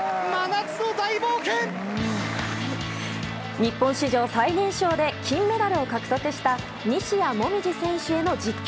日本史上最年少で金メダルを獲得した西矢椛選手への実況。